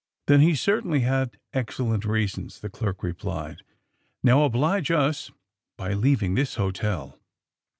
'^Then he certainly had excellent reasons," the clerk replied. ^^Now, oblige us by leaving this hotel."